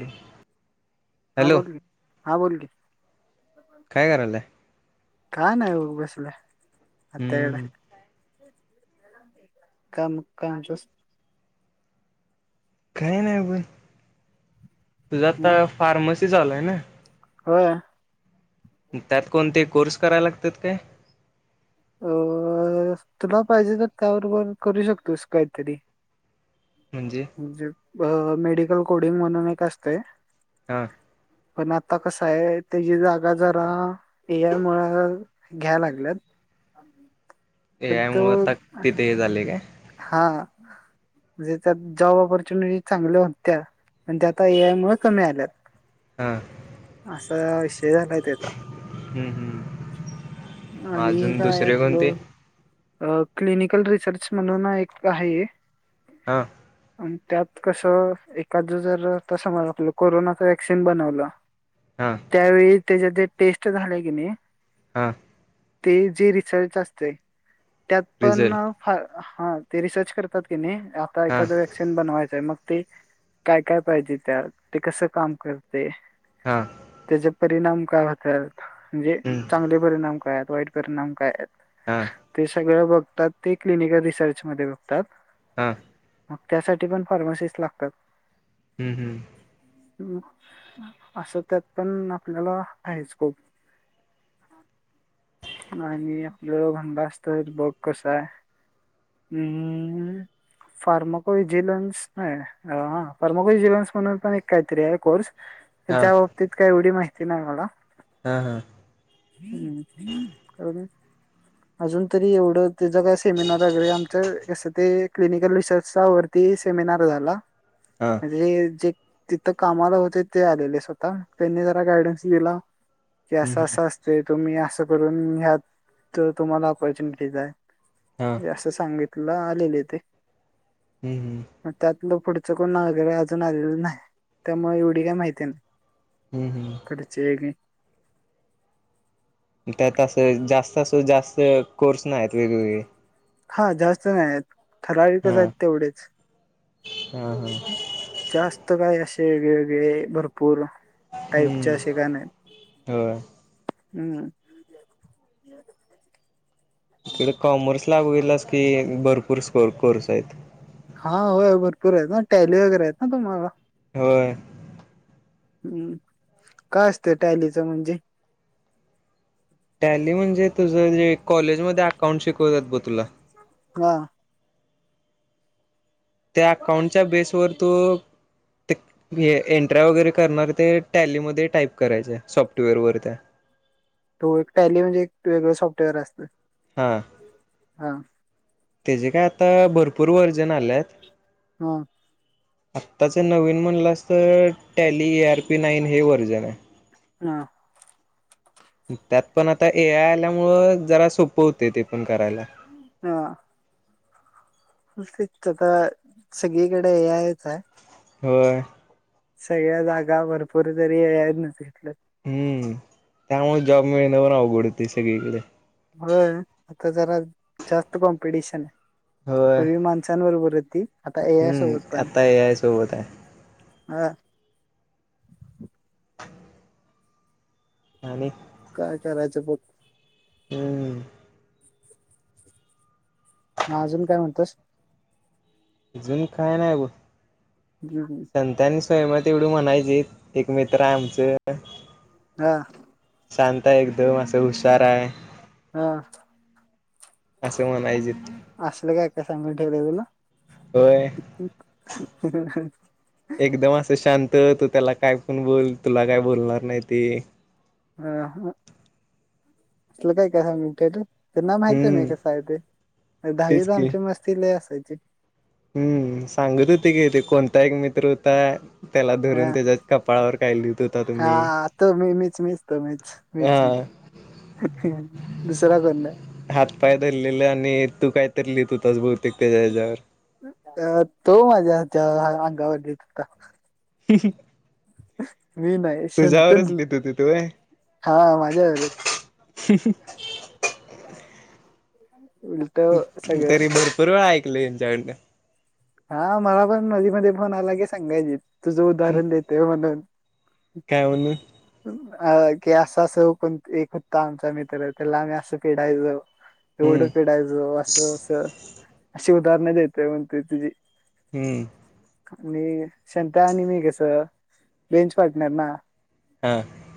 ह हा बोलली हा बोलली काय करालंय का नाही बसलं मकड हम्म का कायचस काही नाही उ तुझा आता फार्मसी चा आलय ना हो त्यात कोणते कोर्स करावे लागतात काय अ तुला पाहिजे तर त्यावरबर करू शकतोस काहीतरी म्हणजे म्हजे मेडिकल कोडिंग म्हणून एक असत हा पण आता कसं आहे त्याची जागा जरा एय मु घ्या लागल्यात पण तो यामुळं आता तिथे हे झाले काय हा म्हणजे त्यात जॉब ऑपॉर्च्युनिटी चांगल्या होत्या पण त्या आता ए आय मु कमी आल्यात हा [unintelligible] हे झालंय त्याचा हम्म हम्म आणि अजून काय दुसरे कोणते आपलं क्लनिकल रिसर्च म्हणून एक आहे हा आणि त्यात कसं एखादं जर तसं मज आपलं कोरोनाच वॅक्सिन बनवलं हा त्यावेेळी त्याच्या ते टेस्ट झालेय की नाही हा ते जे रिसर्च असते त्यात पण रिझल्ट फा हा ते रिसर्च करतात की नाही आता हा एखादं वॅक्शन बनवायचय मग ते काय काय पाहिजे त्या ते कसं काम करत ते हा त्याच्या परिणाम काय होत म्हणजे हम्म चांगले परिणाम काय वाईट परिणाम काय हा ते सगळं बघ तर कि क्लिनिकल रिसर्चमध्येध्ये बघतात हा मग त्यासाठी पण फार्मासिस् लागतात हम्म हम्म ह असं त्यात पण आपल्याला हायच स्कोप आणि आपल्या म्हणलास तर बघ कसा आहे हम् फार्माको विजिलन्स नाही फार्माको विजिलन्स म्हणून पण एक काहीतरी आहे कोर्स हा त्या बाबतीत काय एवडी नाही [inaudible] हा हा हम्म् कारण अजून तरी एवढं ते ज काय सेमिनार वगैरे आम ते क्लिनिकल रिसर्च वरती सेमिनार झाला हा अे जे तिथं कामाला होते ते आलेले स्वतः त्यांनी जरा गायडन्स दिला क अस हम्म हम्म अस असतय तुम्ही असं करून ह्यात तुम्हाला पर्च्युनिटीज हा आहे असं सांगित ला आलेले ते हम्म हम्म मग त्यातलं पुढचं कोण वगैरे अजून आलेलं नाही त्यामुळे एवढी काही माहिती नाही हम्म हम्म खडचे हक त्यात असं जास्त अस जास्त कोर्स नाही आहेत, वेगवेगळे. हा जास्त नाही आहेत. ठराविकच हा आहेत तेवढेच हा हा जास्त. त काय असे वेगळेवेेगळे भरपूर. हम्म टाईपचे असे काण नाहीत. होय हम्म. तिकडे कॉमर्स ला होईल असे भरपूर स्कोप कोर्स आहेत. हा होय भरपूर आहेत ना टॅली वगैरे आहेत ना. होय. हम्म काय असतं टायलीच म्हणजे. टॅली म्हणजे तुझ. कॉलेज मध्ये अकाउंट शिकवतात ब तुला. हा. त्या अकाउंटच्या बेसवर तो एंट्रा वगैरे करणार ते टॅलीमध्ये टाईप करायचे सॉफ्टवेअर वर त्या तो एक टॅली म्हणजे एक वेगळं सॉफ्टवेअर असतं. हां. हा तेजे काय आता, भरपूर व्हर्जन आल्यात. हा. आत्ताच नवीन म्हणलास तर टॅली एर. पी नाईन हे व्हर्जन आहे. हा. त्यात पण आता ए आय आल्यामुळ जरा. सोपं होते ते पण करायला हा. तेच आता सगळीकडे ए आयच आहे. होय. सगळ्या जागा भरपूर तरी ए आय नच घेतलं. हम्म त्यामुळे जॉब मिळन्यावर अवघड होते सगळीकडे. होय आता जरा जास्त कॉम्पिटिशन आहे. होय पूर्वी माणसांबरोबर आहेत. ती हम्म आता एआये सोबत आहे. हा. आणि. काय करायचं बघ. हम्म. म अजून काय म्हणतोस. अजून काय नाही बघ. हम्म. संतांनी स्वयंमवर तेवढ म्हणायचेत. एक मित्र आहे आमचं. हां. शांत हाय एकदम असं हुशार आहे. हां असं म्हणायचे असलं काय काय सांगून ठेवलंय तुला. होय एकदम असं शां त तू त्याला काय पण बोल तुला काय बोलणार नाइ ते. हा हा असल काय काय सांगून ठेवलंय. त्यांना माहिती हाय मी हम्म कसा हाय ते तेच दहावीत की आमची मस्ती लई असा [inaudible] हम्म सांगत होते की ते कोणता एक मित्र हुता. हां होता तुम्ही हां तो मी मीच मीच तो मीच मीच मीच हा दुसरा कोण नाइ. पाय धरलेलं आणि तू काय तर लिहत हुतास भव तेेच्या हेज्यावर ते. अ तो माझ्या त्या अंगावर लित होता. [inaudible] मी नाही तुझ्यावरच शंतनु लिहित होती तू व्हय हां माझ्यावर. [inaudible] उलट सगळं तरी भरपूर वेळा ऐक लय हेच्याकडण हा मला पण मधी मधी फोन आला की सांगायचीत. तुझं उदाहरण देतोय म्हणून. काय म्हणून? अ की असं असं कोण एक हुत्ता आमचा मित्र त्याला आम्ही असं पिडायचो. हम्म एवढं पिडायचो असं असं अशी उदाहरणं देतोय म्हणतोय तुझी. हम्म. आणि शंत्या आणि मी कसं बेंच पार्टनर ना. हा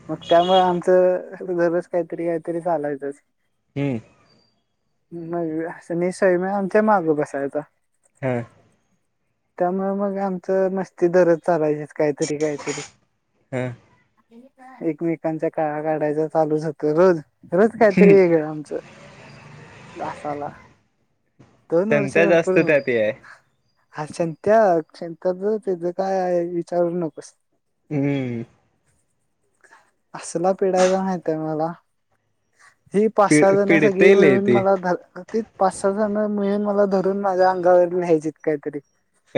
मग त्यामुळे आमचं दरोज कायतरी कायतरी चालायचचं. हम्म. मग [unintelligible] स्वयम्या आमच्या माग बसायचा. हा. त्यामुळे मग आमच मस्ती दरोज चालायची, कायतरी कायतरी हम्म. एकमेकांच्या कंळा काढायच चालू होत रोज रोज कायतरी वेगळं आमचं तासाला दोन वर्ष संता भरपूर जास्त त्यात हे मजा आहे हा शंत्या शंत्याचं तेज काय विचारू नकोस. हम्म. असला पिढायचा माहिती हाय मला. ही पाच पि सहा पिडते जणसाठीग लय मिळून ते मला ध ती पाच सहा जण मिळून मला धरून माझ्या अंगावरून नायची कायतरी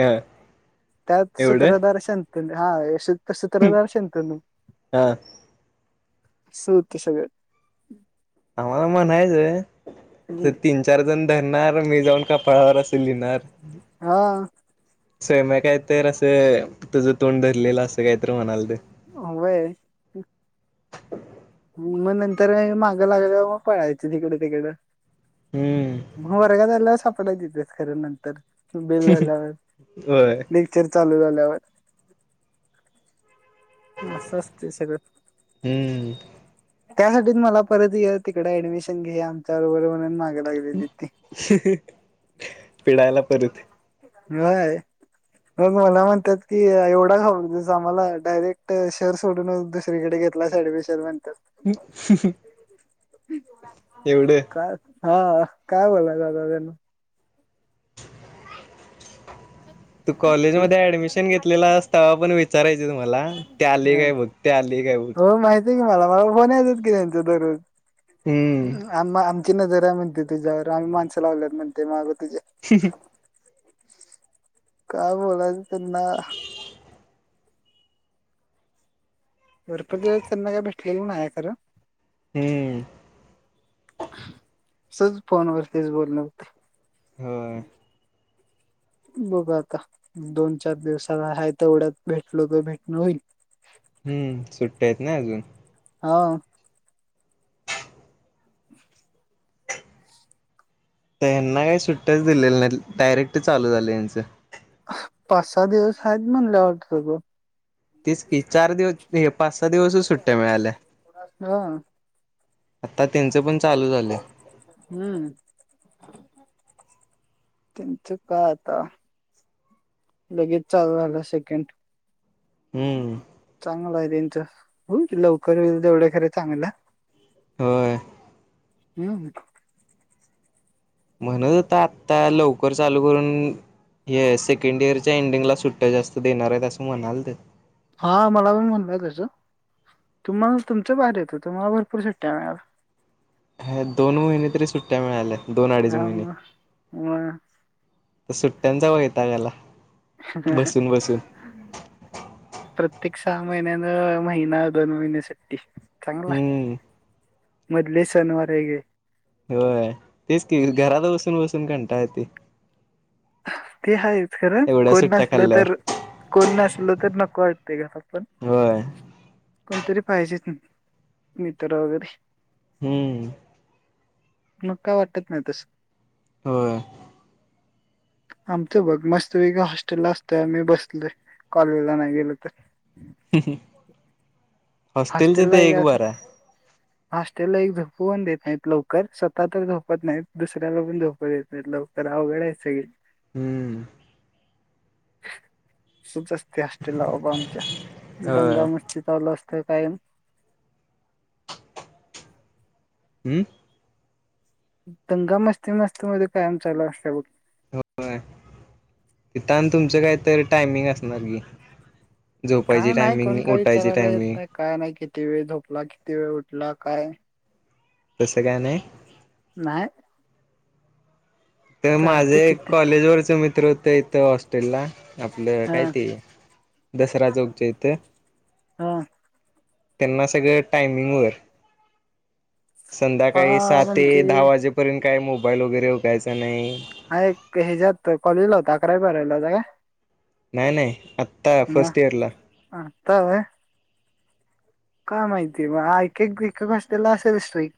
हा त्यात एवढं सूत्रदर्शन तुम्ही अहे एसी त तस तर जा शंत अस हा अहमाला महानत अही याओ [inaudible] त हम्म तीन चार जण धरणार मी जाऊन कपाळावर असे लिहिणार हा स्वयम काय तर असं तुझं तोंड धरलेलं असं काहीत म्हणाल ते हो [inaudible] मग नंतर मागं लागल्यावर मग पळायच जिकडं तिकडं हम्म [inaudible] मग वरग झाला सा पडायचीेतेच खऱ्या नंतर बेल झाल्यावर होय [inaudible] लेक्चर चालू झाल्या अ [inaudible] हा अस असत्य सगळं हम्म त्यासाठी मला परत तिकड ऍडमिशन घे आमच्या बरोबर म्हणून माग [unintelligible] पिडायला परत हय मग मला म्हणतात कि एवढा खाऊ आम्हाला डायरेक्ट शर सोडून दुसरीकडे घेतलास एडमीशन शिश [inaudible] एवड काय हा काय बोलाय दादा त्यांन [inaudible] तू कॉलेजमध्येध्ये ऍडमिशन घेतलेला तवापन विचारायच. तुम्हाला ते आली काय बघ ते आली काय बघ. हो माहिती मला मला फोन येत की त्यांचा दररोज. हम्म हा म आ. नजर आहे म्हणते तुझ्यावर आम्ही माणसं लावल्यात म्हणते माग. तुझ्या ह काय बोलायचं त्यांना. वरपर दिवस त्यांना काय भेटलेलं नाही खरं. हम्म. सच फोन वरतीच बोलण होते. होय. बघ आता दोन चार दिवसाला ह तेवढ्यात भेटलो तर भेटणं होईल. भेटत नाही अजून. हा ओ. त्यांना काही सुट्टच दिलेल नाही डायरेक्ट चालू झाले यांचं. पाच सहा दिवस आहेत म्हणल्या वाटत तो. तेस की चार दिवस. नाही पाच सहा दिवसच सुट्ट्यां मिळाल्या. हा. आता त्यांचं पण चालू झालं. तेच का आता लगेच चालू झालं सेकंड. हम्म चांगलं आहे. हो लवकर तेवढ्या खर चांगलं. होय. हम्म. म्हणत आता आता लवकर चालू करून हे सेकंड इयरच्या एंडिंगला सुट्ट जास्त देणार आहेत असं म्हणाल ते. हा मला पण म्हणलंय त्याचं तुम्हाला तुमचं बाहेर येतं तुम्हाला भरपूर सट्ट्या मिळाल्या. हे दोन महिने तरी सुट्ट्या मिळाल्या. दोन अडीच हाम महिने तर मी. सुट्ट्यांचा वैताग आला. बसून बसून. एक सहा महिन्यान महिना दोन महिने सुट्टी. चांगलंय. हम्म मधले सणवार हे गे. होय तेच की घरात बसून बसून कंटाळ येते. ते हाय. खरं कोण नसल खाल्ल्यावर तर कोण नसल तर नको वाटतेय घरात पण. होय कोणतरी पाहिजे मित्र वगैरे. हम्म. मग का वाटत नाही तस हो आमच बघ मस्त वेगळ हॉस्टेलला असतोय आम्ही बसलोय कॉलेजला नाही गेलो तर ह ह हॉस्टेल जे हॉस्टेलला ते एक बार असंच आहे हॉस्टेलला एक झोपू पण देत नाहीत लवकर स्वतः तर झोपत नाहीत दुसऱ्याला पण झोपू देत नाहीत लवकर अवघडायचं ग हम सप जास्त हॉस्टेल बाबा आमच्या होय दंगा मस्ती चालूअसत हो काय आणि हं दंगा मस्ती मस्ती मध्ये कायम चालू असते बघ होय. तिथं आणि तुमचं काहीतरी टायमिंग असणार की, झोपायची काय नाय कोण टायमिंग काय उठायची विचारायला येत टायमिंग नाय काय नाय किती वेळ झोप ला? किती वेळ उठला? काय तस काय नाय. नाही त माझे चालते एक किती कॉलेजवरचं मि त्र होता इथं हॉस्टेलला आपलं हा काय ते दसरा चौकच्या इथे हा त्यांना सगळं टायमिंग वर संध्याकाळी सहा हा ते म्हणते दहा वाजेपर्यंत काय मोबाईल वगैरे उकायचा नाही. हा एक ह्याच्यात कॉलेजला होता. अकरावी बारावीला होता काय? नाय नाय आत्ता फर्स्ट मग इयरला आता होय काय माहिती बा हा एक एक एक एक हॉस्टेला असेल स्ट्रीक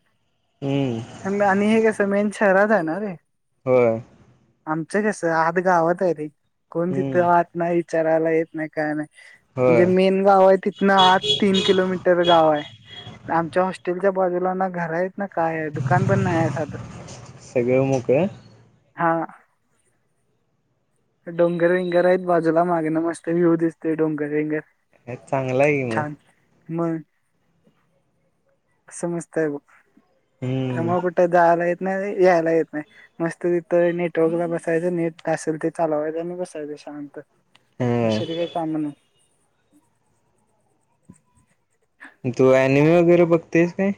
हम्म हंम आणि हे कस मेन शहरात हाय ना ते होय. आमचं कसं आत गावात हाय रे कोण तिथं हम्म आत नाहीत. विचारायला येत नाय काय नाय. म्हणजे होय मेन गाव आहे तिथनं आत तीन तिथच गाव आहे. आमच्या हॉस्टेल च्या बाजूलांना घरा आहेत. ना काय आहे. दुकान पण नाय ये साधं सगळं मोकळं हा डोंगर विंगर आहेत. बाजूला मागणं मस्त व्ह्यू दिसतय डोंगर विंगर चांगलं हाय की, मग म अस मस्त आहे बघ हम्म त्यामुळं कुठं जायला येत नाही यायला येत नाय मस्त तिथं नेटवर्कला बसायचं नेट काय असेल ते चालवायचं आणि बसायचं शांत दुसरी हा काय काम नाय [inaudible] तू ॲनिमी वगैरे बघतोयस काय?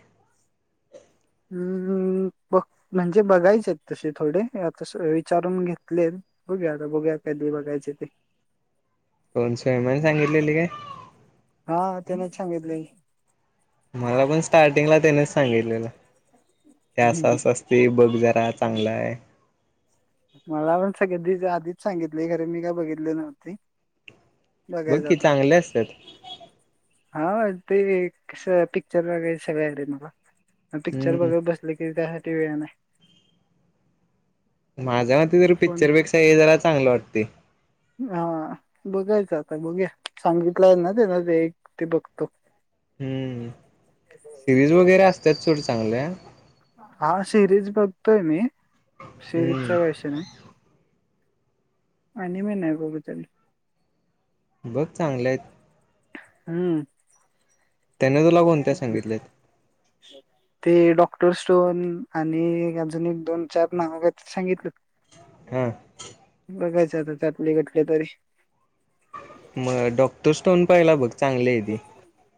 हम्म बघ म्हणजे बघायचे आहेत तसे थोडे आता विचारून घेतले बघूया आता बघू कधी बघायचे ते कोण स्वयमाने सांगितलेली काय? त्यानचं सांगितलंय मला पण स्टार्टिंगला त्यानेच सांगितलेलं. ते असं असं असतय बघ तु जरा चांगला आहे मला पण सगळ आधीच सांगितले खर मी काय बघितले नव्हते बघ बघायचं कि आता. चांगले असत्यात हा ते कस पिक्चर वगैरे सगळे वगैरे मला पिक्चर हम्म वगैरे बसले कि का ते वेळ नाही माझ्या मते जर फोन पिक्चरपेक्षा ये जरा चांगलं वाटतय हा बघायच आता बघूया सांगितलंय ना तेना ते एक ते बघतो हम्म सिरीज वगैरे असत त्यात थोडं चांगल- हा सिरीज बघतोय मी सिरीज चा हम्म काय विषय नाही ॲनिमे नाही बघू तरी बघ चांगलंय हम्म त्यांना तुला काय सांगितलेत ते डॉक्टर स्टोन आणि अजून एक दोन चार नाव काय तर सांगितलं हा बघायच आता त्यातल एकदा तरी मग डॉक्टरस्टोन पहिला बघ चांगली आहे ती